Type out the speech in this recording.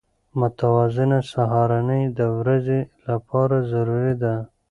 متوازنه سهارنۍ د ورځې لپاره ضروري ده.